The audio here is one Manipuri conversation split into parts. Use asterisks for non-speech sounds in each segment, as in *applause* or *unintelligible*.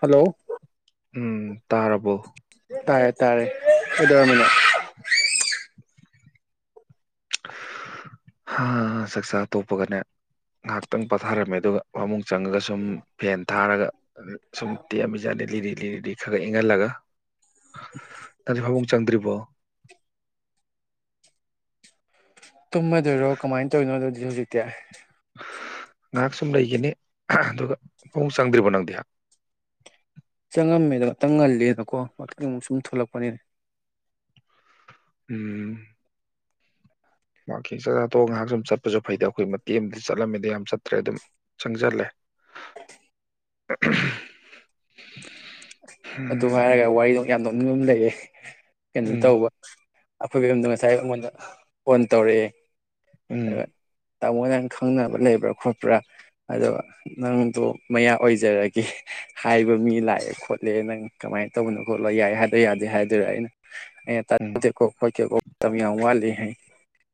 ꯍꯂꯣ ꯎꯝ ꯇꯥꯔꯕꯣ ꯇꯥꯔꯦ ꯇꯥꯔꯦ ꯀꯩꯗꯧꯔꯝꯃꯤꯅꯣ ꯆꯥꯛꯆꯥ ꯇꯣꯛꯄꯒꯅꯦ ꯉꯥꯏꯍꯥꯛꯇꯪ ꯄꯥꯊꯥꯔꯝꯃꯦ ꯑꯗꯨꯒ ꯐꯃꯨꯡ ꯆꯪꯉꯒ ꯁꯨꯝ ꯐꯦꯟ ꯊꯥꯔꯒ ꯁꯨꯝ ꯇꯦꯛꯑꯃꯤꯖꯥꯠꯅꯤ ꯂꯤꯔꯤ ꯂꯤꯔꯤ ꯂꯤ ꯈꯒ ꯏꯪꯍꯜꯂꯒ ꯇ ꯐꯥꯃꯨꯡ ꯆꯪꯗ꯭ꯔꯤ ꯕꯣ *unintelligible* ꯇꯨꯝꯃꯗꯣꯏꯔꯣ ꯀꯃꯥꯏꯅ ꯇꯧꯔꯤꯅꯣ ꯑꯗꯨꯗꯤ ꯍꯧꯖꯤꯛ ꯍꯧꯖꯤꯛꯇꯌꯥ ꯉꯥꯏꯍꯥꯛ ꯁꯨꯝ ꯂꯩꯒꯤꯅꯤ ꯑꯗꯨꯒ ꯐꯥꯃꯨꯡ ꯆꯪꯗ꯭ꯔꯤꯕꯣ ꯅꯪꯗꯤꯍ ꯆꯪꯉꯝꯃꯦꯗ ꯉꯥꯛꯇꯪ ꯉꯜꯂꯤꯦꯅꯀꯣ ꯑꯃꯨꯛ ꯁꯨꯝ ꯊꯣꯛꯂꯛꯄꯅꯤꯅꯦ ꯎꯝ ꯋꯥꯀꯤꯡ ꯆꯠꯊꯣꯛ ꯉꯥꯏꯍꯥꯛ ꯁꯨꯝ ꯆꯠꯄꯁꯨ ꯐꯩꯗ ꯑꯩꯈꯣꯏ ꯃꯇꯦꯛ ꯑꯃꯗ ꯆꯠꯂꯝꯃꯤꯗ ꯌꯥꯝ ꯆꯠꯇ꯭ꯔꯦ ꯑꯗꯨꯝ ꯆꯪꯁꯤꯜꯂꯦ ꯑꯗꯨ ꯍꯥꯏꯔꯒ ꯋꯥꯔꯤꯗꯣ ꯌꯥꯝ ꯅꯤꯡꯕ ꯑꯃꯥ ꯂꯩꯔꯦ ꯀꯩꯅ ꯎꯝ ꯇꯧꯕ ꯑꯩꯈꯣꯏꯒꯤ ꯌꯨꯝꯗ ꯉꯁꯥꯏ ꯑꯩꯉꯣꯟꯗ ꯐꯣꯟ ꯇꯧꯔꯛꯑꯦ ꯎꯝ ꯑ ꯇꯥꯃꯣ ꯅꯪ ꯈꯪꯅꯕ ꯂꯩꯕ꯭ꯔꯥ ꯈꯣꯠꯄ꯭ꯔꯥ ꯑꯗꯣ ꯅꯪꯗꯣ ꯃꯌꯥ ꯑꯣꯏꯖꯔꯒꯦ ꯍꯥꯏꯕ ꯃꯤ ꯂꯥꯛꯑꯦ ꯈꯣꯠꯂꯦ ꯂꯦ ꯅꯪ ꯀꯃꯥꯏꯅ ꯇꯧꯕꯅꯣ ꯈꯣꯠꯂꯣ ꯌꯥꯏ ꯍꯥꯏꯗ ꯌꯥꯗꯦ ꯍꯥꯏꯗꯣꯏꯔꯥ ꯑꯩꯅ ꯎꯝ ꯇꯥꯅꯤꯡꯗꯦꯀꯣ ꯈꯣꯠꯇꯦꯀꯣ ꯃꯇꯝ ꯌꯥꯝ ꯋꯥꯠꯂꯤ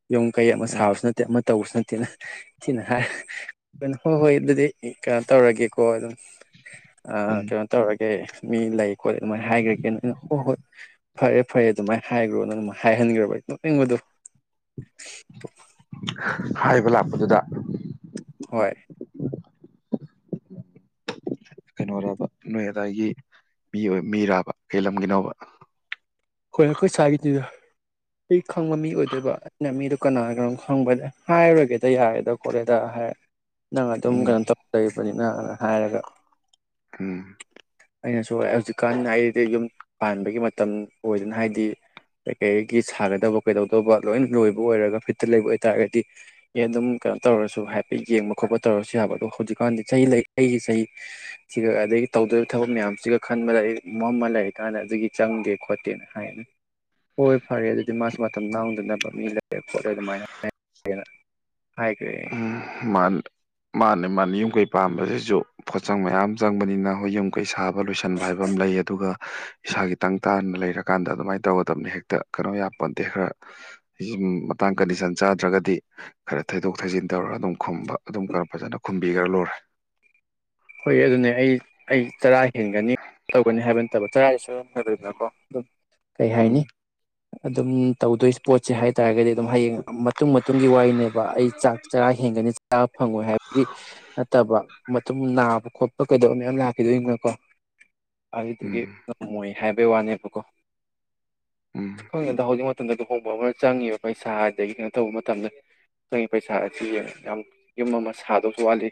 *unintelligible* ꯌꯨꯝ ꯀꯩ ꯑꯃ ꯎꯝ ꯁꯥꯕꯁꯨ ꯅꯠꯇꯦ ꯑꯃ ꯇꯧꯕꯁꯨ ꯅꯠꯇꯦ ꯅ ꯊꯤꯅ ꯍꯥꯏ ꯍꯣꯏ ꯍꯣꯏ ꯑꯗꯨꯗꯤ ꯀꯩꯅꯣ ꯇꯧꯔꯒꯦꯀꯣ ꯑꯗꯨꯝ ꯎꯝ ꯑ ꯀꯩꯅꯣ ꯇꯧꯔꯒꯦ ꯒꯦ ꯃꯤ ꯂꯩ ꯈꯣꯠꯂꯤ ꯑꯗꯨꯃꯥꯏꯅ ꯍꯥꯏꯈ꯭ꯔꯒꯦ ꯑꯩꯅ ꯍꯣꯏ ꯍꯣꯏ ꯐꯔꯦ ꯐꯔꯦ ꯑꯗꯨꯃꯥꯏꯅ ꯍꯥꯏꯈ꯭ꯔꯣꯅ ꯑꯗꯨꯝꯥꯏ ꯍꯥꯏꯍꯟꯈ꯭ꯔꯕ ꯅꯣꯛꯅꯤꯡꯕꯗꯣ ꯍꯥꯏꯕ ꯂꯥꯛꯄꯗꯨꯗ ꯍꯣꯏ ꯀꯩꯅꯣꯔꯕ ꯅꯣꯏ ꯑꯗꯥꯏꯒꯤ ꯃꯤ ꯑꯣꯏ ꯃꯤꯔꯥꯕ ꯀꯩ ꯂꯝꯒꯤꯅꯣꯕ ꯈꯣꯏ ꯑꯩꯈꯣꯏ ꯁꯥꯏꯒꯤꯅꯤꯗ ꯈꯪꯕ ꯃꯤ ꯑꯣꯏꯗꯣꯏꯕ ꯑꯩꯅ ꯃꯤꯗꯣ ꯀꯅꯥꯒꯅꯣꯝ ꯈꯪꯕꯗꯤ ꯍꯥꯏꯔꯣꯏꯒꯦꯗ ꯌꯥꯔꯦꯗ ꯈꯣꯠꯂꯦꯗ ꯍꯥꯏ ꯅꯪ ꯑꯗꯨꯝ ꯎꯝ ꯀꯩꯅꯣ ꯇꯧ ꯂꯩꯕꯅꯤꯅ ꯅ ꯍꯥꯏꯔꯒ ꯎꯝ ꯑꯩꯅꯁꯨ ꯍꯧꯖꯤꯛꯀꯥꯟ ꯑꯩꯗꯤ ꯌꯨꯝ ꯄꯥꯟꯕꯒꯤ ꯃꯇꯝ ꯑꯣꯏꯗꯅ ꯍꯥꯏꯗꯤ ꯀꯩꯀꯩꯒꯤ ꯁꯥꯒꯗꯕ ꯀꯩꯗꯧꯗꯧꯕ ꯂꯣꯏꯅ ꯂꯣꯏꯕ ꯑꯣꯏꯔꯒ ꯐꯤꯠꯇ ꯂꯩꯕ ꯑꯣꯏꯇꯥꯥꯔꯒꯗꯤ ꯑꯦ ꯑꯗꯨꯝ ꯀꯩꯅꯣ ꯇꯧꯔꯁꯨ ꯍꯥꯏꯐꯦꯠ ꯌꯦꯡꯕ ꯈꯣꯠꯄ ꯇꯧꯔꯁꯨ ꯌꯥꯕ ꯑꯗꯣ ꯍꯧꯖꯤꯛꯀꯥꯟꯗꯤ ꯆꯍꯤ ꯂꯩ ꯑꯩꯒꯤ ꯆꯍꯤꯁꯤꯒ ꯑꯗꯒꯤ ꯇꯧꯗꯧꯔꯤꯕ ꯊꯕꯛ ꯃꯌꯥꯝꯁꯤꯒ ꯈꯟꯕꯗ ꯑꯩ ꯃ ꯑꯃ ꯂꯩꯔꯤꯀꯥꯟꯗ ꯑꯗꯨꯒꯤ ꯆꯪꯗꯦ ꯈꯣꯠꯀꯦ ꯇꯦꯅ ꯍꯥꯏ ꯍꯣꯏ ꯐꯔꯦ ꯑꯗꯨꯗꯤ ꯃꯥꯁꯨ ꯃꯇꯝ ꯂꯥꯡꯗꯅꯕ ꯃꯤ ꯂꯩꯔꯦ ꯈꯣꯠꯂꯦ ꯑꯗꯨ ꯃꯥꯏꯅ ꯎꯝ ꯃꯥꯅꯦ ꯃꯥꯟꯅꯦ ꯃꯥꯟꯅꯦ ꯌꯨꯝ ꯀꯩ ꯄꯥꯝꯕꯁꯤꯁꯨ ꯄꯣꯠꯆꯪ ꯃꯌꯥꯝ ꯆꯪꯕꯅꯤꯅ ꯍꯣꯏ ꯌꯨꯝ ꯀꯩ ꯁꯥꯕ ꯂꯣꯏꯁꯟꯕ ꯍꯥꯏꯕ ꯑꯃ ꯂꯩ ꯑꯗꯨꯒ ꯏꯁꯥꯒꯤ ꯇꯪ ꯇꯥꯅ ꯂꯩꯔꯀꯥꯟꯗ ꯑꯗꯨꯃꯥꯏꯅ ꯇꯧꯒꯗꯕꯅꯤ ꯍꯦꯛꯇ ꯀꯩꯅꯣ ꯌꯥꯄꯣꯟꯇꯦ ꯈꯔ ꯃꯇꯥꯙ ꯀꯟꯗꯤꯁꯟ ꯆꯥꯗ꯭ꯔꯒꯗꯤ ꯈꯔ ꯊꯩꯗꯣꯛ ꯊꯩꯖꯤꯟ ꯇꯧꯔ ꯑꯗꯨꯝ ꯈꯨꯝꯕ ꯑꯗꯨꯝ ꯈꯔ ꯐꯖꯅ ꯈꯨꯝ ꯕꯤ ꯒ꯭ꯔꯥ ꯂꯣꯏꯔꯦ ꯍꯣꯏ ꯑꯗꯨꯅꯦ ꯑꯩ ꯑꯩ ꯆꯔꯥ ꯍꯦꯟꯒꯅꯤ ꯇꯧꯒꯅꯤ ꯍꯥꯏꯕ ꯅꯠꯇꯕ *unintelligible* ꯑꯗꯨꯝ ꯀꯩ ꯎꯝ ꯍꯥꯏꯅꯤ ꯑꯗꯨꯝ ꯇꯧꯗꯣꯏꯁ ꯄꯣꯠꯁꯦ ꯍꯥꯏꯇꯥꯔꯒꯗꯤ ꯑꯗꯨꯝ ꯍꯌꯦꯡ ꯃꯇꯨꯡ ꯃꯇꯨꯡꯒꯤ ꯋꯥꯔꯤꯅꯦꯕ ꯑꯩ ꯆꯥꯛ ꯆꯔꯥ ꯍꯦꯟꯒꯅꯤ ꯆꯔꯥ ꯐꯪꯉꯣꯏ ꯍꯥꯏꯕꯒꯤ ꯅꯠꯇꯕ ꯃꯇꯨꯡ ꯅꯥꯕ ꯈꯣꯠꯄ ꯀꯩꯗꯧꯕ ꯃꯌꯥꯝ ꯂꯥꯛꯈꯤꯗꯣꯏꯅꯀꯣ ꯑꯗꯨꯗꯨꯒꯤ ꯎꯝ ꯉꯝꯃꯣꯏ ꯍꯥꯏꯕꯩ ꯋꯥꯅꯦꯕꯀꯣ ꯎꯝ ꯈꯪꯗꯦꯗ ꯍꯧꯖꯤꯛ ꯃꯇꯝꯗ ꯂꯨꯍꯣꯡꯕ ꯑꯃꯅ ꯆꯪꯉꯤꯕ ꯄꯩꯁꯥ ꯑꯗꯒꯤ ꯀꯩꯅꯣ ꯇꯧꯕ ꯃꯇꯝꯗ ꯆꯪꯉꯤꯕ ꯄꯩꯁꯥ ꯑꯁꯤ ꯌꯥꯝ ꯌꯨꯝ ꯑꯃ ꯁꯥꯗꯧꯁꯨ ꯋꯥꯠꯂꯤ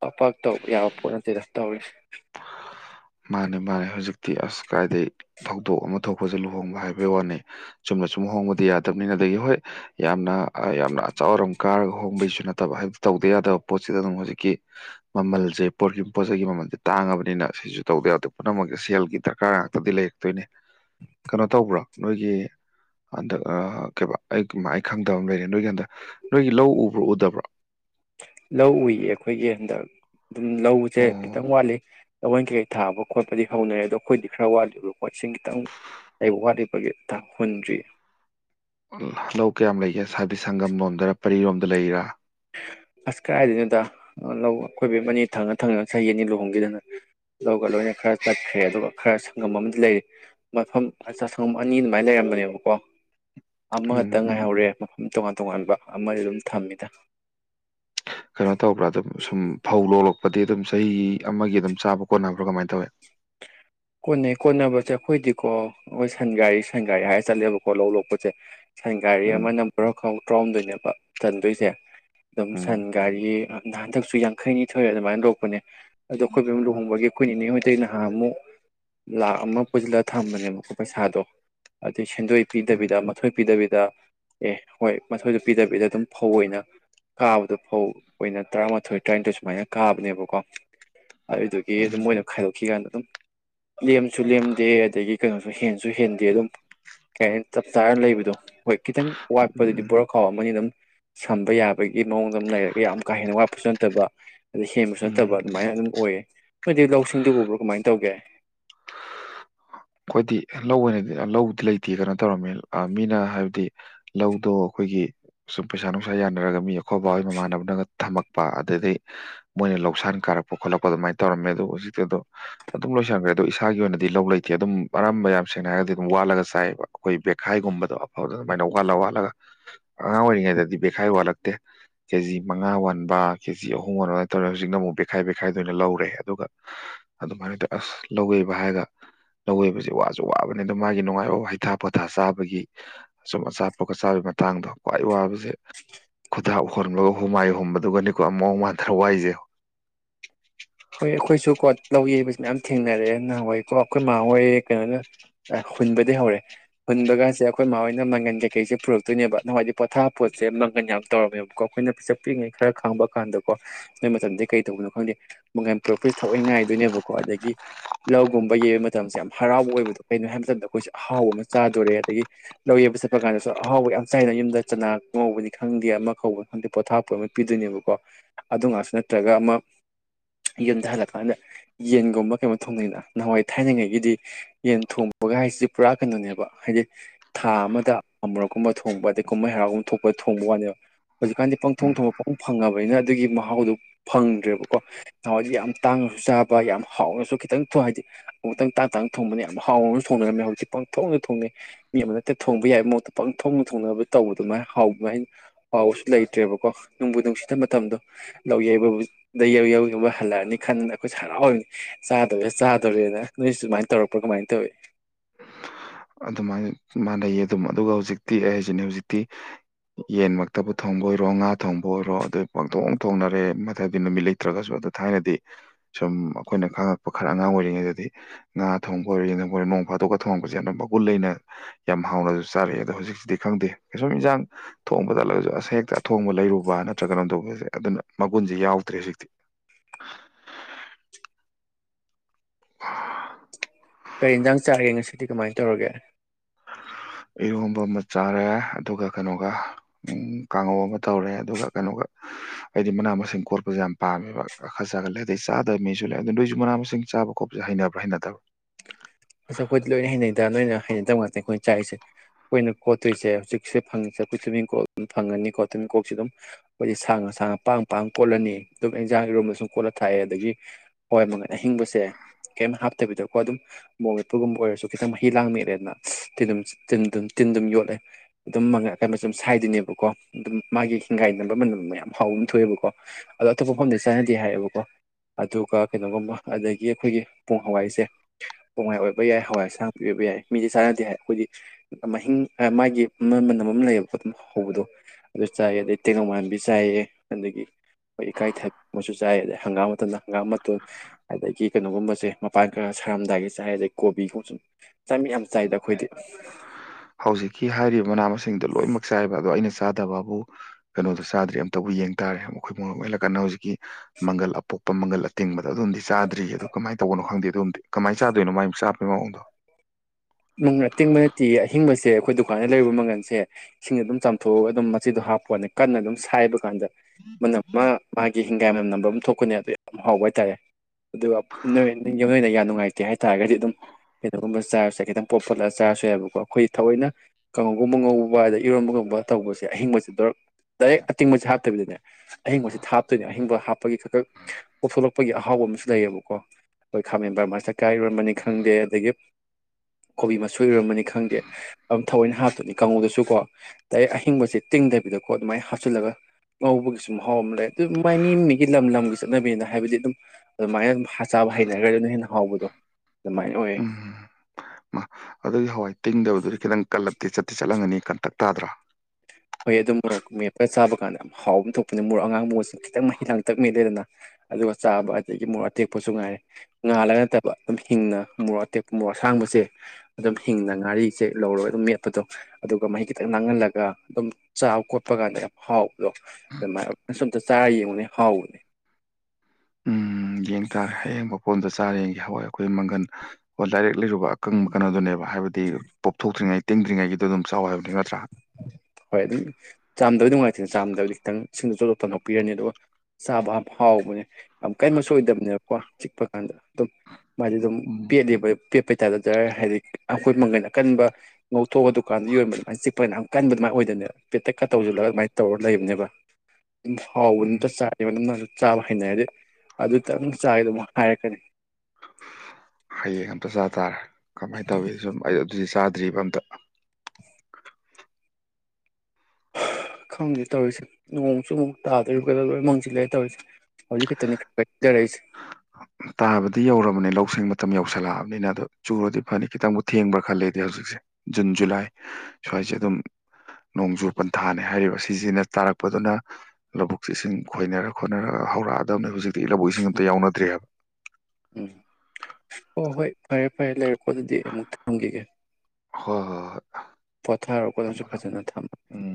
ꯄꯥꯛ ꯄꯥꯛ ꯇꯧꯕ ꯌꯥꯕ ꯄꯣꯠ ꯅꯠꯇꯦꯗ ꯇꯧꯔꯤꯁꯦ ꯃꯥꯅꯦ ꯃꯥꯅꯦ ꯍꯧꯖꯤꯛꯇꯤ ꯑꯁ ꯀꯥꯏꯗꯩ ꯊꯧꯗꯣꯛ ꯑꯃ ꯊꯣꯛꯄꯁꯨ ꯂꯨꯍꯣꯡꯕ ꯍꯥꯏꯕꯩ ꯋꯥꯅꯤ ꯆꯨꯝꯅ ꯁꯨꯝ ꯍꯣꯡꯕꯗꯤ ꯌꯥꯗꯕꯅꯤꯅ ꯑꯗꯒꯤ ꯍꯣꯏ ꯌꯥꯝꯅ ꯌꯥꯝꯅ ꯑꯆꯥꯎ ꯑꯔꯝ ꯀꯥꯔꯒ ꯍꯣꯡꯕꯩꯁꯨ ꯅꯠꯇꯕ ꯍꯥꯏꯕꯗꯤ ꯇꯧꯗ ꯌꯥꯗꯕ ꯄꯣꯠꯁꯤꯗ ꯑꯗꯨꯝ ꯍꯧꯖꯤꯛꯀꯤ ꯃꯃꯜꯁꯦ ꯄꯣꯠꯀꯤ ꯄꯣꯠ ꯆꯩꯒꯤ ꯃꯃꯜꯁꯦ ꯇꯥꯡꯉꯕꯅꯤꯅ ꯁꯤꯁꯨ ꯇꯧꯗꯥ ꯌꯥꯗꯕ ꯄꯨꯝꯅꯃꯛꯀꯤ ꯁꯦꯜꯒꯤ ꯗꯔꯀꯥꯔ ꯉꯥꯛꯇꯗꯤ ꯂꯩꯔꯛꯇꯣꯏꯅꯦ ꯀꯩꯅꯣ ꯇꯧꯕ꯭ꯔꯥ ꯅꯣꯏꯒꯤ ꯍꯟꯗꯛ ꯀꯩ ꯑꯥ ꯑꯩ ꯈꯪꯗꯕ ꯑꯃ ꯂꯩꯔꯦ ꯅꯣꯏꯒꯤ ꯍꯟꯗꯛ ꯅꯣꯏꯒꯤ ꯂꯧ ꯎꯕ꯭ꯔꯣ ꯎꯗꯕ꯭ꯔꯣ ꯂꯧ ꯎꯏ ꯑꯩꯈꯣꯏꯒꯤ ꯍꯟꯗꯛ ꯑꯗꯨꯝ ꯂꯧꯁꯦ ꯑꯣ ꯈꯤꯇꯪ ꯋꯥꯠꯂꯤ ꯂꯧꯍꯣꯟ ꯀꯩ ꯀꯩ ꯊꯥꯕ ꯈꯣꯠꯄꯗꯤ ꯍꯧꯅꯔꯦ ꯑꯗꯣ ꯑꯩꯈꯣꯏꯗꯤ ꯈꯔ ꯋꯥꯠꯂꯤꯕ ꯄꯣꯠꯁꯤꯡ ꯈꯤꯇꯪ ꯂꯩꯕ ꯋꯥꯠꯂꯤꯕꯒꯤ ꯍꯨꯟꯗ꯭ꯔꯤ ꯂꯧ ꯀꯌꯥꯝ ꯂꯩꯒꯦ *unintelligible* ꯁꯪꯒꯝ ꯂꯣꯝꯗꯔ ꯄꯔꯤꯔꯣꯝꯗ ꯂꯩꯔꯤꯔꯥ ꯑꯁ ꯀꯥꯏꯗꯩꯅꯣꯗ ꯂꯧ ꯑꯈꯣꯏ ꯕꯦꯝ ꯑꯅꯤ ꯊꯪꯅ ꯊꯪꯅ ꯆꯍꯤ ꯑꯅꯤ ꯂꯨꯍꯣꯡꯈꯤꯗꯅ ꯂꯧꯒ ꯂꯣꯏꯅ ꯈꯔ ꯆꯠꯈ꯭ꯔꯦ ꯑꯗꯨꯒ ꯈꯔ ꯁꯪꯉꯝ ꯑꯃꯗꯤ ꯂꯩꯔꯤ ꯃꯐꯝ ꯁꯪꯉꯝ ꯑꯅꯤ ꯑꯗꯨꯃꯥꯏꯅ ꯂꯩꯔꯝꯕꯅꯦꯕꯀꯣ ꯎꯝ ꯑꯃꯈꯛꯇꯪ ꯉꯥꯏꯍꯧꯔꯦ ꯇꯣꯉꯥꯟ ꯇꯣꯉꯥꯟꯕ ꯑꯃꯗꯤ ꯑꯗꯨꯝ ꯊꯝꯃꯤꯗ ꯀꯩꯅꯣ ꯇꯧꯕ꯭ꯔꯥ ꯑꯗꯨꯝ ꯁꯨꯝ ꯐꯧ ꯂꯣꯂꯛꯄꯗꯤ ꯑꯗꯨꯝ ꯆꯍꯤ ꯑꯃꯒꯤ ꯑꯗꯨꯝ ꯆꯥꯕ ꯈꯣꯠꯅꯕ꯭ꯔꯥ ꯀꯃꯥꯏꯅ ꯇꯧꯋꯦ ꯀꯣꯟꯅꯩ ꯀꯣꯟꯅꯕꯁꯦ ꯑꯩꯈꯣꯏꯗꯤꯀꯣ ꯑꯩꯈꯣꯏ ꯁꯟ ꯒꯥꯔꯤ ꯁꯟꯒꯥꯔꯤ ꯍꯥꯏꯔꯒ ꯆꯠꯂꯦꯕꯀꯣ ꯂꯧ ꯂꯣꯛꯄꯁꯦ ꯁꯦꯡꯒꯥꯔꯤ ꯎꯝ ꯑꯃ ꯅꯝꯕꯔ ꯈꯣꯡ ꯇ꯭ꯔꯥꯍꯨꯝꯗꯣꯏꯅꯦꯕ ꯆꯟꯗꯣꯏꯁꯦ ꯑꯗꯨꯝ ꯎꯝ ꯁꯟꯒꯥꯔꯤ ꯅꯍ ꯍꯟꯗꯛꯁꯨ ꯌꯥꯡꯈꯩꯅꯤ ꯊꯣꯏ ꯑꯗꯨꯃꯥꯏꯅ ꯂꯣꯛꯄꯅꯦ ꯑꯗꯣ ꯑꯩꯈꯣꯏꯕꯨ ꯑꯃ ꯂꯨꯍꯣꯡꯕꯒꯤ ꯑꯩꯈꯣꯏ ꯅꯤꯅꯤ ꯍꯣꯏꯗꯩ ꯅꯍꯥꯟ ꯑꯃꯨꯛ ꯂꯥꯛ ꯑꯃ ꯄꯨꯁꯤꯜꯂꯒ ꯊꯝꯕꯅꯦꯕꯀꯣ ꯄꯩꯁꯥꯗꯣ ꯑꯗꯨꯩ ꯁꯦꯟꯗꯣꯏ ꯎꯝ ꯄꯤꯗꯕꯤꯗ ꯃꯊꯣꯏ ꯄꯤꯗꯕꯤꯗ ꯑꯦ ꯍꯣꯏ ꯃꯊꯣꯏꯗꯣ ꯄꯤꯗꯕꯤꯗ ꯑꯗꯨꯝ ꯐꯧ ꯑꯣꯏꯅ ꯀꯥꯕꯗꯣ ꯐꯧ ꯑꯣꯏꯅ ꯇꯔꯥꯃꯥꯊꯣꯏ ꯇꯔꯥꯅꯤꯊꯣꯏ ꯁꯨꯃꯥꯏꯅ ꯀꯥꯕꯅꯦꯕꯀꯣ ꯑꯗꯨꯗꯨꯒꯤ ꯑꯗꯨꯝ ꯑꯣꯏꯅ ꯈꯥꯏꯗꯣꯛꯈꯤꯀꯥꯟꯗ ꯑꯗꯨꯝ ꯂꯦꯝꯁꯨ ꯂꯦꯝꯗꯦ ꯑꯗꯒꯤ ꯀꯩꯅꯣꯁꯨ ꯍꯦꯟꯁꯨ ꯍꯦꯟꯗꯦ ꯑꯗꯨꯝ ꯀꯩ ꯍꯥꯏꯅꯤ ꯇꯞꯇꯥꯥꯔꯒ ꯂꯩꯕꯗꯣ ꯍꯣꯏ ꯈꯤꯇꯪ ꯋꯥꯠꯄꯗꯨꯗꯤ ꯎꯝ ꯕꯣꯔꯣꯛ ꯈꯥꯎ ꯑꯃꯅꯤ ꯑꯗꯨꯝ ꯁꯝꯕ ꯌꯥꯕꯒꯤ ꯃꯑꯣꯡꯗ ꯑꯗꯨꯝ ꯂꯩꯔꯒ ꯌꯥꯝ ꯀꯥ ꯍꯦꯟꯅ ꯋꯥꯠꯄꯁꯨ ꯅꯠꯇꯕ ꯑꯗꯩ ꯍꯦꯟꯕꯁꯨ ꯎꯝ ꯅꯠꯇꯕ ꯑꯗꯨꯃꯥꯏꯅ ꯑꯗꯨꯝ ꯑꯣꯏꯌꯦ ꯑꯗꯨꯗꯤ ꯂꯧꯁꯤꯡꯗꯨꯕꯨꯕ꯭ꯔꯥ ꯀꯃꯥꯏꯅ ꯇꯧꯒꯦ ꯑꯣꯏꯗꯤ ꯂꯧ ꯑꯣꯏꯅꯗꯤ ꯂꯧꯗꯤ ꯂꯩꯇꯦ ꯀꯩꯅꯣ ꯇꯧꯔꯝꯃꯤ ꯃꯤꯅ ꯍꯥꯏꯕꯗꯤ ꯂꯧꯗꯣ ꯑꯩꯈꯣꯏꯒꯤ ꯁꯨꯝ ꯄꯩꯁꯥ ꯅꯨꯡꯁꯥ ꯌꯥꯅꯔꯒ ꯃꯤ ꯑꯩꯈꯣꯏꯕꯕꯥꯒꯤ ꯃꯃꯥꯟꯅꯕꯅꯒ ꯊꯝꯃꯛꯄ ꯑꯗꯨꯗꯒꯤꯩ ꯃꯣꯏꯅ ꯂꯧꯁꯥꯟ ꯀꯥꯔꯛꯄ ꯈꯣꯠꯂꯛꯄ ꯑꯗꯨꯃꯥꯏꯅ ꯇꯧꯔꯝꯃꯦ ꯑꯗꯨ ꯍꯧꯖꯤꯛꯇꯤ ꯑꯗꯣ ꯑꯗꯨꯝ ꯂꯣꯏꯁꯟꯈ꯭ꯔꯦ ꯑꯗꯣ ꯏꯁꯥꯒꯤ ꯑꯣꯏꯅꯗꯤ ꯂꯧ ꯂꯩꯇꯦ ꯑꯗꯨꯝ ꯑꯔꯝꯕ ꯌꯥꯝ ꯁꯦꯡꯅ ꯍꯥꯏꯔꯒꯗꯤ ꯑꯗꯨꯝ ꯋꯥꯠꯂꯒ ꯆꯥꯏꯑꯕ ꯑꯩꯈꯣꯏ ꯕꯦꯈꯥꯏꯒꯨꯝꯕꯗꯣ ꯑꯐꯕꯗ ꯑꯗꯨꯃꯥꯏꯅ ꯋꯥꯠꯂ ꯋꯥꯠꯂꯒ ꯑꯉꯥꯡ ꯑꯣꯏꯔꯤꯉꯩꯗꯗꯤ ꯕꯦꯠꯈꯥꯏ ꯋꯥꯠꯂꯛꯇꯦ ꯀꯦꯖꯤ ꯃꯉꯥ ꯋꯥꯟꯕ ꯀꯦꯖꯤ ꯑꯍꯨꯝ ꯋꯥꯟꯕ ꯑꯗꯨ ꯇꯧꯔꯦ ꯍꯧꯖꯤꯛꯅ ꯑꯃꯨꯛ ꯕꯦꯈꯥꯏ ꯕꯦꯈꯥꯏꯗ ꯑꯣꯏꯅ ꯂꯧꯔꯦ ꯑꯗꯨꯒ ꯑꯗꯨꯃꯥꯏꯅ ꯇ ꯑꯁ ꯂꯧꯒꯦꯕ ꯍꯥꯏꯔꯒ ꯂꯧꯋꯏꯕꯁꯤ ꯋꯥꯁꯨ ꯋꯥꯕꯅꯤ ꯑꯗ ꯃꯥꯒꯤ ꯅꯨꯡꯉꯥꯏꯐꯥꯎ ꯍꯩꯊꯥ ꯄꯣꯊꯥ ꯆꯥꯕꯒꯤ ꯑꯁꯨꯝ ꯑꯆꯥꯄꯣꯠꯀ ꯆꯥꯕꯒꯤ ꯃꯇꯥꯡꯗꯣ ꯈ꯭ꯋꯥꯏ ꯋꯥꯕꯁꯦ ꯈꯨꯊꯥꯛ ꯍꯣꯟꯂꯒ ꯍꯨꯃꯥꯏ ꯍꯣꯟꯕꯗꯨꯒꯅꯤꯀꯣ ꯃꯨꯑꯣꯡ ꯃꯟꯊꯔ ꯋꯥꯏꯖꯦ ꯍꯣꯏ ꯑꯩꯈꯣꯏꯁꯨ ꯀꯣ ꯂꯧ ꯌꯩꯕꯁꯤ ꯃꯌꯥꯝ ꯊꯦꯡꯅꯔꯦ ꯅꯍꯥꯟꯏꯀꯣ ꯑꯩꯈꯣꯏ ꯃꯥꯥ ꯍꯣꯏ ꯀꯩꯅꯣꯅ ꯍꯨꯟꯕꯗꯤ ꯍꯧꯔꯦ ꯍꯨꯟꯕꯒꯁꯦ ꯑꯩꯈꯣꯏ ꯃꯥꯥꯍꯣꯏꯅ ꯃꯪꯒꯟ ꯀꯩꯀꯩꯁꯦ ꯄꯨꯔꯛꯇꯣꯏꯅꯦꯕ ꯅꯍꯥꯟꯋꯥꯏꯗꯤ ꯄꯣꯊꯥ ꯄꯣꯠꯁꯦ ꯃꯪꯒꯟ ꯌꯥꯝ ꯇꯧꯔꯝꯃꯦꯕꯀꯣ ꯑꯩꯈꯣꯏꯅ ꯄꯤꯤꯁꯛ ꯄꯤꯛꯉꯩ ꯈꯔ ꯈꯪꯕ ꯀꯥꯟꯗꯀꯣ ꯅꯣꯏ ꯃꯇꯝꯗꯤ ꯀꯩ ꯇꯧꯕꯅꯣ ꯈꯪꯗꯦ ꯃꯉꯥꯏꯝ ꯄꯨꯔꯛꯄꯁ ꯊꯋꯥꯑꯣꯏ ꯉꯥꯏꯗꯣꯏꯅꯦꯕꯀꯣ ꯑꯗꯒꯤ ꯂꯧꯒꯨꯝꯕ ꯌꯩꯕ ꯃꯇꯝꯁꯦ ꯌꯥꯝ ꯍꯔꯥꯎꯕ ꯑꯣꯏꯕꯗꯣ ꯀꯩꯅꯣ ꯍꯥꯏꯕ ꯃꯇꯝꯗ ꯑꯩꯈꯣꯏꯁꯦ ꯑꯍꯥꯎꯕ ꯑꯃ ꯆꯥꯗꯣꯔꯦ ꯑꯗꯒꯤ ꯂꯧ ꯌꯩꯕ ꯆꯠꯄ ꯀꯥꯟꯗꯁꯨ ꯑꯍꯥꯎꯕ ꯌꯥꯝ ꯆꯥꯏꯅ ꯌꯨꯝꯗ ꯆꯅꯥ ꯉꯧꯕꯅꯤ ꯈꯪꯗꯦ ꯑꯃ ꯀꯧꯕꯧꯕꯅꯤ ꯈꯪꯗꯦ ꯄꯣꯊꯥꯞꯄꯨ ꯑꯃ ꯄꯤꯗꯣꯏꯅꯦꯕꯀꯣ ꯑꯗꯨ ꯉꯥꯛꯁꯨ ꯅꯠꯇ꯭ꯔꯒ ꯑꯃ ꯌꯨꯝꯗ ꯍꯜꯂꯛꯀꯥꯟꯗ ꯌꯦꯟꯒꯨꯝꯕ ꯀꯩꯅꯣ ꯊꯣꯡꯅꯩꯅ ꯅꯍꯥꯟꯋꯥꯏ ꯊꯥꯏꯅꯉꯩꯒꯤꯗꯤ ꯌꯦꯟ ꯊꯣꯡꯕꯒ ꯍꯥꯏꯁꯤꯗꯤ ꯄꯨꯔꯥ ꯀꯩꯅꯣꯅꯦꯕ ꯍꯥꯏꯗꯤ ꯊꯥ ꯑꯃꯗ ꯑꯃꯨꯔꯛꯀꯨꯝꯕ ꯊꯣꯡꯕ ꯑꯗꯩ ꯀꯨꯝꯍꯩ ꯍꯔꯥꯎꯒꯨꯝꯕ ꯊꯣꯛꯄ ꯊꯣꯡꯕ ꯋꯥꯅꯦꯕ ꯍꯧꯖꯤꯛꯀꯥꯟꯗꯤ ꯄꯪꯊꯣꯡ ꯎꯝ ꯊꯣꯡꯕ ꯄꯪ ꯐꯪꯉꯕꯅꯤꯅ ꯑꯗꯨꯒꯤ ꯃꯍꯥꯎꯗꯨꯣ ꯐꯪꯗ꯭ꯔꯦꯕꯀꯣ ꯅꯍꯥꯟꯋꯥꯏꯁ ꯌꯥꯝ ꯇꯥꯡꯅꯁꯨ ꯆꯥꯕ ꯌꯥꯝ ꯍꯥꯎꯅꯁꯨ ꯈꯤꯇꯪ ꯊꯣꯡ ꯍꯥꯏꯗꯤ ꯑꯃꯨꯛꯇꯪ ꯇꯥꯛ ꯇꯥꯡ ꯊꯣꯡꯕꯅ ꯌꯥꯝ ꯍꯥꯎꯅꯁꯨ ꯊꯣꯡꯅꯔꯝꯃꯦ ꯍꯧꯖꯤꯛ ꯄꯪꯊꯣꯛꯅ ꯊꯣꯡꯅꯩ ꯃꯤ ꯑꯃ ꯅꯠꯇ ꯊꯣꯡꯕ ꯌꯥꯏꯕ ꯃꯍꯨꯠꯇ ꯄꯪꯊꯣꯛꯅ ꯊꯣꯡꯅꯕ ꯇꯧꯕꯗꯨꯃꯥꯏꯅ ꯍꯥꯎꯕꯃꯥꯏꯅ ꯍꯥꯎꯕꯁꯨ ꯂꯩꯇ꯭ꯔꯦꯕꯀꯣ ꯅꯣꯡꯕꯨ ꯅꯨꯡꯁꯤꯠꯠꯇ ꯃꯇꯝꯗꯣ ꯂꯧ ꯌꯩꯕ ꯌ ꯒꯨꯝꯕ ꯍꯜꯂꯛꯑꯅꯤ ꯈꯟꯗꯅ ꯑꯩꯈꯣꯏꯁꯨ ꯍꯔꯥꯎꯕꯅꯤ ꯆꯥꯗꯧꯔꯦ ꯆꯥꯗꯣꯔꯦꯅ ꯅꯣꯏꯁꯨ ꯁꯨꯃꯥꯏꯅ ꯇꯧꯔꯛꯄ꯭ꯔꯥ ꯀꯃꯥꯏꯅ ꯇꯧꯏꯤ ꯑꯗꯨꯃꯥꯏꯅ ꯃꯥꯟꯅꯩꯌꯦ ꯑꯗꯨꯝ ꯑꯗꯨꯒ ꯍꯧꯖꯤꯛꯇꯤ ꯑꯩ ꯍꯥꯏꯁꯤꯅꯦ ꯍꯧꯖꯤꯛꯇꯤ ꯌꯦꯟꯃꯛꯇꯕꯨ ꯊꯣꯡꯕ ꯑꯣꯏꯔꯣ ꯉꯥ ꯊꯣꯡꯕ ꯑꯣꯏꯔꯣ ꯑꯗꯨ ꯄꯪꯊꯣꯡ ꯊꯣꯡꯅꯔꯦ ꯃꯊꯗꯤ ꯅꯨꯃꯤꯠ ꯂꯩꯇ꯭ꯔꯒꯁꯨ ꯑꯗꯨ ꯊꯥꯏꯅꯗꯤ ꯁꯨꯝ ꯑꯩꯈꯣꯏꯅ ꯈꯪꯉꯛꯄ ꯈꯔ ꯑꯉꯥꯡ ꯑꯣꯏꯔꯤꯉꯩꯗꯗꯤ ꯉꯥ ꯊꯣꯡꯕ ꯑꯣꯏꯔꯦ ꯑꯣꯏꯔꯦ ꯅꯣꯡ ꯐꯥꯗꯣꯛꯒ ꯊꯣꯡꯉꯛꯄꯁꯦ ꯑꯗꯨꯅꯐꯥꯎ ꯃꯒꯨꯟ ꯂꯩꯅ ꯌꯥꯝ ꯍꯥꯎꯅꯁꯨ ꯆꯥꯔꯛꯑꯦ ꯑꯗꯣ ꯍꯧꯖꯤꯛꯇꯤꯗꯤ ꯈꯪꯗꯦ ꯀꯩꯁꯨꯝ ꯏꯟꯁꯥꯡ ꯊꯣꯡꯕ ꯇꯠꯂꯒꯁꯨ ꯑꯁ ꯍꯦꯛꯇ ꯑꯊꯣꯡꯕ ꯂꯩꯔꯨꯕ ꯅꯠꯇ꯭ꯔꯒ ꯀꯩꯅꯣꯝ ꯇꯧꯕꯁꯦ ꯑꯗꯨꯅ ꯃꯒꯨꯟꯁꯦ ꯌꯥꯎꯗ꯭ꯔꯦ ꯍꯧꯖꯤꯛꯇꯤ *unintelligible* ꯀꯔꯤ ꯌꯦꯟꯖꯥꯡ ꯆꯥꯒꯦ ꯉꯁꯤꯗꯤ ꯀꯃꯥꯏꯅ ꯇꯧꯔꯒꯦ ꯏꯔꯣꯕ ꯑꯃ ꯆꯥꯔꯦ ꯑꯗꯨꯒ ꯀꯩꯅꯣꯒ ꯎ ꯀꯥꯡꯉꯧ ꯑꯃ ꯇꯧꯔꯦ ꯑꯗꯨꯒ ꯀꯩꯅꯣꯒ ꯑꯩꯗꯤ ꯃꯅꯥ ꯃꯁꯤꯡ ꯀꯣꯠꯄꯁꯦ ꯌꯥꯝ ꯄꯥꯝꯃꯦꯕ ꯈꯔ ꯆꯥꯒꯠꯂ ꯑꯗꯩ ꯆꯥꯗꯕ ꯃꯤꯁꯨ ꯂꯩ ꯑꯗꯨ ꯅꯣꯏꯁꯨ ꯃꯅꯥ ꯃꯁꯤꯡ ꯆꯥꯕ ꯈꯣꯠꯄꯁꯦ ꯍꯩꯅꯕ꯭ꯔꯥ ꯍꯩꯅꯗꯕ꯭ꯔꯥ ꯑꯁ ꯑꯩꯈꯣꯏꯗꯤ ꯂꯣꯏꯅ ꯍꯩꯅꯩꯗ ꯅꯣꯏꯅ ꯍꯩꯅꯗꯕ ꯉꯥꯛꯇꯦ ꯑꯩꯈꯣꯏꯅ ꯆꯥꯏꯔꯤꯁꯦ ꯑꯩꯈꯣꯏꯅ ꯀꯣꯠꯇꯣꯏꯁꯦ ꯍꯧꯖꯤꯛꯁꯦ ꯐꯪꯉꯤꯁꯦ ꯑꯩꯈꯣꯏ ꯁ꯭ꯤꯝꯃꯤꯡ ꯀꯣꯛ ꯑꯗꯨꯝ ꯐꯪꯉꯅꯤ ꯀꯣꯇꯤꯟ ꯀꯣꯛꯁꯦ ꯑꯗꯨꯝ ꯑꯩꯈꯣꯏꯗꯤ ꯁꯥꯡꯉ ꯁꯥꯡꯉ ꯄꯥꯡ ꯄꯥꯡ ꯀꯣꯠꯂꯅꯤ ꯑꯗꯨꯝ ꯑꯦꯟꯖꯥꯡꯒꯤꯔꯣꯝꯗ ꯁꯨꯝ ꯀꯣꯠꯂ ꯊꯥꯛꯑꯦ ꯑꯗꯒꯤ ꯍꯋꯥꯏ ꯃꯒꯜ ꯑꯍꯤꯡꯕꯁꯦ ꯀꯩꯝ ꯍꯥꯞꯇꯕꯤꯗꯀꯣ ꯑꯗꯨꯝ ꯃꯣꯔꯣꯛ ꯃꯦꯠꯄꯒꯨꯝꯕ ꯑꯣꯏꯔꯁꯨ ꯈꯤꯇꯪ ꯃꯍꯤ ꯂꯥꯡ ꯅꯦꯛꯛꯑꯦꯗꯅꯤꯟꯝ ꯇꯤꯟ ꯑꯗꯨꯝ ꯇꯤꯟ ꯑꯗꯨꯝ ꯌꯣꯠꯂꯦ ꯑꯗꯨꯝ ꯀꯩꯅꯣ ꯁꯨꯝ ꯁꯥꯏꯗꯣꯏꯅꯦꯕꯀꯣ ꯑꯗꯨꯝ ꯃꯥꯒꯤ ꯍꯤꯡꯒꯥꯏꯅꯕ ꯃꯅ ꯃꯌꯥꯝ ꯍꯥꯎ ꯑꯃ ꯊꯣꯛꯑꯦꯕꯀꯣ ꯑꯗꯣ ꯑꯇꯣꯞꯄ ꯃꯐꯝꯗꯤ ꯆꯥꯟꯅꯗꯦ ꯍꯥꯏꯌꯦꯦꯕꯀꯣ ꯑꯗꯨꯒ ꯀꯩꯅꯣꯒꯨꯝꯕ ꯑꯗꯒꯤ ꯑꯩꯈꯣꯏꯒꯤ ꯄꯨꯡ ꯍꯋꯥꯏꯁꯦ ꯄꯣꯡꯍꯋꯥꯏ ꯑꯣꯏꯕ ꯌꯥꯏ ꯍꯋꯥꯏ ꯍꯁꯥꯡ ꯄꯤꯕꯤꯕ ꯌꯥꯏ ꯃꯤꯗꯤ ꯆꯥꯟꯅꯗꯦ ꯍꯥꯏ ꯑꯩꯈꯣꯏꯗꯤ ꯃꯍꯤꯡ ꯃꯥꯒꯤ ꯃꯅꯝ ꯑꯃ ꯂꯩꯕ ꯄꯣ ꯑꯗꯨꯝ ꯍꯧꯕꯗꯣ ꯑꯗꯨ ꯆꯥꯏꯑ ꯑꯗꯩ ꯇꯦꯡꯅꯧ ꯃꯝꯕꯤ ꯆꯥꯏꯌꯦ ꯑꯗꯒꯤ ꯑꯩꯈꯣꯏ ꯏꯀꯥꯏ ꯊꯛꯄꯁꯨ ꯆꯥꯏꯑ ꯑꯗꯩ ꯍꯪꯒꯥꯝ ꯃꯇꯝꯗ ꯍꯪꯒꯥꯝ ꯃꯇꯣꯟ ꯑꯗꯒꯤ ꯀꯩꯅꯣꯒꯨꯝꯕꯁꯦ ꯃꯄꯥꯟ ꯈꯔ ꯁꯥꯔꯝꯗꯥꯏꯒꯤ ꯆꯥꯏꯁꯦ ꯀꯣꯕꯤꯒꯨꯝ ꯁꯨꯝ ꯆꯥ ꯃꯤ ꯌꯥꯝ ꯆꯥꯏꯗ ꯑꯩꯈꯣꯏꯗꯤ ꯍꯧꯖꯤꯛꯀꯤ ꯍꯥꯏꯔꯤꯕ ꯃꯅꯥ ꯃꯁꯤꯡ ꯗꯣ ꯂꯣꯏꯅ ꯆꯥꯏꯕ ꯑꯣ ꯑꯩꯅ ꯆꯗ ꯑꯗ ꯕꯥꯕꯨ ꯀꯩꯅꯣꯗꯣ ꯆꯥꯗ꯭ꯔꯤ ꯑꯃꯝꯇꯕꯨ ꯌꯦꯡ ꯇꯥꯔꯦ ꯃꯈꯣꯏ ꯃ ꯑꯣꯏꯦꯜꯂ ꯀꯥꯟ ꯍꯧꯖꯤꯛꯀꯤ ꯃꯪꯒꯜ ꯑꯄꯣꯛꯄ ꯃꯪꯒꯜ ꯑꯇꯤꯡꯕꯗꯣ ꯑꯗꯨꯝꯗꯤ ꯆꯥꯗ꯭ꯔꯤ ꯑꯗꯣ ꯀꯃꯥꯏꯅ ꯇꯧꯕꯅꯣ ꯈꯪꯗꯦ ꯑꯗꯨꯝꯗꯤ ꯀꯃꯥꯏꯅ ꯆꯥꯗꯣꯏꯅꯣ ꯃꯒꯤꯛ ꯆꯥꯞꯄꯒꯤ ꯃꯑꯣꯡꯗꯣ ꯃꯪꯒꯟ ꯑꯇꯤꯡꯕ ꯅꯠꯇꯦ ꯑꯍꯤꯡꯕꯁꯦ ꯑꯩꯈꯣꯏ ꯗꯨꯀꯥꯟꯗ ꯂꯩꯔꯤꯕ ꯃꯪꯒꯜꯁꯦ ꯏꯁꯤꯡ ꯑꯗꯨꯝ ꯆꯥꯝꯊꯣꯛꯑꯒ ꯑꯗꯨꯝ ꯃꯆꯦꯗꯣ ꯍꯥꯞꯄꯣꯅ ꯀꯟꯅ ꯑꯗꯨꯝ ꯁꯥꯏꯕ ꯀꯥꯟꯗ ꯃꯥꯅ ꯃꯥꯒꯤ ꯍꯤꯡꯒꯥꯏ ꯃꯅꯝ ꯅꯝꯕ ꯑꯃ ꯊꯣꯛꯀꯅꯤ ꯑꯗꯨ ꯌꯥꯝ ꯍꯥꯎꯕ ꯍꯥꯏꯇꯥꯔꯦ ꯑꯗꯨꯒ ꯅꯣꯏ ꯅꯣꯏꯅ ꯌꯥꯝ ꯅꯨꯡꯉꯥꯏꯇꯦ ꯍꯥꯏꯇꯥꯔꯒꯗꯤ ꯑꯗꯨꯝ ꯀꯩꯅꯣꯒꯨꯝꯕ ꯆꯥꯔꯁꯦ ꯈꯤꯇꯪ ꯄꯣꯞ ꯐꯠꯂꯒ ꯆꯥꯔꯁꯨ ꯌꯥꯏꯕꯀꯣ ꯑꯩꯈꯣꯏ ꯊꯑꯣꯏꯅ ꯀꯩꯅꯣꯒꯨꯝꯕ ꯉꯧꯕ ꯑꯗꯩ ꯏꯔꯣꯟꯝꯕ ꯉꯧꯕ ꯇꯧꯕꯁꯦ ꯑꯍꯤꯡꯕꯕꯁꯤꯦꯗ ꯗꯥꯏꯔꯦꯛ ꯑꯇꯤꯡꯕꯁꯦ ꯍꯥꯞꯇꯕꯤꯗꯨꯅꯦ ꯑꯍꯤꯡꯕꯁꯤ ꯊ ꯍꯥꯞꯇꯣꯏꯅꯦ ꯑꯍꯤꯡꯕ ꯍꯥꯞꯄꯒꯤ ꯈ ꯈꯛ ꯀꯣꯛꯞꯊꯣꯛꯂꯛꯄꯒꯤ ꯑꯍꯥꯎꯕ ꯑꯃꯁꯨ ꯂꯩꯌꯦꯕꯀꯣ ꯑꯩꯈꯣꯏ ꯈꯥꯃꯦꯟ ꯕꯔꯃ ꯆꯀꯥ ꯏꯔꯣꯟꯝꯕꯅꯤ ꯈꯪꯗꯦ ꯑꯗꯒꯤ ꯀꯣꯕꯤ ꯃꯆꯣꯏ ꯏꯔꯝꯃꯅꯤ ꯈꯪꯗꯦ ꯑꯗꯨꯝ ꯊꯑꯣꯏꯅ ꯍꯥꯞꯇꯣꯅꯤ ꯀꯥꯡꯉꯨꯗꯁꯨꯀꯣ ꯑꯩ ꯑꯍꯤꯡꯕꯁꯦ ꯇꯤꯡꯗꯕꯤꯗꯀꯣ ꯑꯗꯨꯃꯥꯏꯅ ꯍꯥꯞꯆꯤꯜꯂꯒ ꯉꯧꯕꯒꯤ ꯁꯨꯝ ꯃꯍꯥꯎꯕ ꯑꯃ ꯂꯩ ꯑꯗꯨ ꯃꯥꯏ ꯃꯤ ꯃꯤꯒꯤ ꯂꯝ ꯂꯝꯒꯤ ꯆꯠꯅꯕꯤꯅ ꯍꯥꯏꯕꯗꯤ ꯑꯗꯨꯝ ꯑꯗꯨꯃꯥꯏꯅ ꯑꯗꯨꯝ ꯆꯥꯕ ꯍꯩꯅꯈ꯭ꯔꯗꯤ ꯑꯗꯨꯅ ꯍꯦꯟꯅ ꯍꯥꯎꯕꯗꯣ ꯑꯗꯨꯃꯥꯏꯅ ꯑꯣꯏꯌꯦ ꯎꯝ ꯑꯗꯨꯒꯤ ꯍꯋꯥꯏ ꯇꯤꯡꯗꯕꯗꯨꯗꯤ ꯈꯤꯇꯪ ꯀꯜꯂꯞꯇꯗꯤ ꯆꯠꯇꯤ ꯆꯠꯂꯝꯒꯅꯤ ꯀꯟꯇꯛ ꯇꯥꯗ꯭ꯔꯥ ꯍꯣꯏ ꯑꯗꯨ ꯃꯣꯔꯣꯛ ꯃꯦꯠꯄ ꯆꯥꯕ ꯀꯥꯟꯗ ꯌꯥꯝ ꯍꯥꯎꯕ ꯊꯣꯛꯄꯅꯤ ꯃꯣꯔꯣꯛ ꯑꯉꯥꯡꯕꯁꯦ ꯈꯤꯇꯪ ꯃꯍꯤ ꯂꯥꯡꯇꯛ ꯃꯦꯂꯦꯗꯅ ꯑꯗꯨꯒ ꯆꯥꯕ ꯑꯗꯒꯤ ꯃꯣꯔꯣꯛ ꯑꯇꯦꯛꯄꯁꯨ ꯉꯥꯏꯔꯦ ꯉꯥꯜꯂꯒ ꯅꯠꯇꯕ ꯑꯗꯨꯝ ꯍꯤꯡꯅ ꯃꯣꯔꯣꯛ ꯑꯇꯦꯛꯄ ꯃꯣꯔꯣꯛ ꯑꯁꯥꯡꯕꯁꯦ ꯑꯗꯨꯝ ꯍꯤꯡꯅ ꯉꯥꯔꯤꯁꯦ ꯂꯧꯔꯣꯏ ꯑꯗꯨꯝ ꯃꯦꯠꯄꯗꯣ ꯑꯗꯨꯒ ꯃꯍꯤ ꯈꯤꯇꯪ ꯥꯡꯍꯜꯂꯒ ꯑꯗꯨꯝ ꯆꯥꯕ ꯈꯣꯠꯄ ꯀꯥꯟꯗ ꯌꯥꯝ ꯍꯥꯎꯕꯗꯣ ꯑꯗꯨꯃꯥꯏꯅ ꯑꯁꯨ ꯑꯃꯇ ꯆꯥꯔ ꯌꯦꯡꯕꯨꯅꯦ ꯍꯥꯎꯕꯅꯦ ꯎꯝ ꯌꯦꯡ ꯇꯥꯔꯦ ꯍꯌꯦꯡꯕ ꯄꯣꯟꯗ ꯆꯥꯔꯦꯒꯤ ꯍꯋꯥꯏ ꯑꯩꯈꯣꯏ ꯃꯪꯒꯜ ꯗꯥꯏꯔꯦꯛ ꯂꯩꯔꯨꯕ ꯑꯀꯪꯕ ꯀꯩꯅꯣꯗꯨꯅꯦꯕ ꯍꯥꯏꯕꯗꯤ ꯄꯣꯞꯊꯣꯛꯇ꯭ꯔꯤꯉꯩ ꯇꯤꯡꯗ꯭ꯔꯤꯉꯩꯒꯤꯗꯣ ꯑꯗꯨꯝ ꯆꯥꯎꯋꯦ ꯍꯥꯏꯕꯅꯤ ꯅꯠꯇ꯭ꯔꯥ ꯍꯣꯏ ꯑꯗꯨꯝ ꯆꯥꯝꯗꯕꯗꯤ ꯅꯨꯡꯉꯥꯏꯇꯦꯅ ꯆꯥꯝꯗꯕꯗꯤ ꯈꯤꯇꯪ ꯁꯤꯡꯗꯣ ꯆꯣꯠꯊꯣꯞ ꯇꯣꯅꯣꯛꯄꯤꯔꯅꯤ ꯑꯗꯨꯒ ꯆꯥꯕ ꯌꯥꯝ ꯍꯥꯎꯕꯅꯦ ꯌꯥꯝ ꯀꯔꯤ ꯃꯁꯨꯣꯏ ꯑꯣꯏꯗꯕꯅꯦꯕꯀꯣ ꯆꯤꯛꯄ ꯀꯥꯟꯗ ꯑꯗꯨꯝ ꯃꯥꯗꯤ ꯗꯨꯝ ꯎꯝ ꯄꯦꯗꯦꯕ ꯄꯦꯞꯄꯩꯇꯥꯏꯗ ꯖꯔ ꯍꯥꯏꯗꯤ ꯑꯈꯣꯏ ꯃꯪꯒꯟ ꯑꯀꯟꯕ ꯉꯧꯊꯣꯛꯑꯒ ꯗꯨꯀꯥꯟꯗꯣ ꯌꯣꯟꯕ ꯑꯗꯨꯃꯥꯏꯅ ꯆꯤꯛꯄꯅ ꯀꯟꯕꯗꯨ ꯃꯥꯏꯅ ꯑꯣꯏꯗꯅꯦ ꯄꯦꯠꯇꯛꯀ ꯇꯧꯖꯤꯜꯂ ꯑꯗꯨꯃꯥꯏ ꯇꯧꯔ ꯂꯩꯕꯅꯦꯕ ꯑꯗꯨꯝ ꯍꯥꯎꯕ ꯅꯤ ꯎꯝ ꯇ ꯆꯔ *unintelligible* ꯆꯥꯕ ꯍꯩꯅꯔꯗꯤ ꯑꯗꯨꯇꯪ ꯆꯥꯒꯦꯗꯃꯨ ꯍꯥꯏꯔꯛꯀꯅꯤ ꯍꯌꯦꯡ ꯑꯝꯇ ꯆꯥꯇꯥꯥꯔꯦ ꯀꯃꯥꯏꯇꯧꯋꯤ ꯁꯨꯝ ꯑꯩ ꯑꯗꯨꯗꯤ ꯆꯥꯗ꯭ꯔꯤꯕ ꯑꯝꯇ ꯈꯪꯗꯦ ꯇꯧꯔꯤꯁꯤ ꯅꯣꯡꯁꯨ ꯑꯃꯨꯛ ꯇꯥꯗꯣꯏꯔꯨꯕ ꯀꯩꯅꯣ ꯂꯣꯏ ꯃꯪꯁꯤꯜꯂꯦ ꯇꯧꯔꯤꯁꯦ ꯍꯧꯖꯤꯛ ꯈꯤꯠꯇꯅꯤ ꯈ ꯏꯪꯊꯔꯛꯏꯁꯦ ꯇꯥꯕꯗꯤ ꯌꯧꯔꯕꯅꯤ ꯂꯧꯁꯤꯡ ꯃꯇꯝ ꯌꯧꯁꯤꯜꯂꯛꯑꯝꯅꯤꯅ ꯑꯗꯣ ꯆꯨꯔꯗꯤ ꯐꯅꯤ ꯈꯤꯇꯪꯕꯨ ꯊꯦꯡꯕ꯭ꯔꯥ ꯈꯜꯂꯦꯗꯤ ꯍꯧꯖꯤꯛꯁꯦ ꯖꯨꯟ ꯖꯨꯂꯥꯏ ꯁ꯭ꯋꯥꯏꯁꯦ ꯑꯗꯨꯝ ꯅꯣꯡꯖꯨ ꯄꯟꯊꯥꯅꯦ ꯍꯥꯏꯔꯤꯕ ꯁꯤꯁꯤꯅ ꯇꯥꯔꯛꯄꯗꯨꯅ ꯂꯧꯕꯨꯛꯁꯦ ꯏꯁꯤꯡ ꯈꯣꯏꯅꯔ ꯈꯣꯠꯅꯔ ꯍꯧꯔꯛꯑꯗꯕꯅꯤ ꯍꯧꯖꯤꯛ ꯏꯛ ꯂꯕꯨꯛ ꯏꯁꯤꯡ ꯑꯝꯇ ꯌꯥꯎꯅꯗꯔ꯭ꯤ ꯍꯥꯏ ꯎꯝ ꯍꯣ ꯍꯣꯏ ꯐꯔꯦ ꯐꯔꯦ ꯂꯩꯔꯣꯀꯣ ꯑꯗꯨꯗꯤ ꯑꯃꯨꯛ ꯊꯝꯈꯤꯒꯦ ꯍꯣ ꯍꯣꯏ ꯍꯣꯏ ꯄꯣꯊꯥꯔꯣꯀꯣ ꯅꯪꯁꯨ ꯐꯖꯅ ꯊꯝꯃꯣ ꯎꯝ